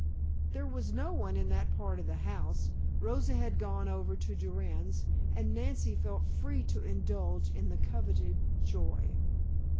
There was no one in that part of the house. Rosa had gone over to Durand's and Nancy felt free to indulge in the coveted joy.